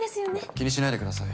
気にしないでください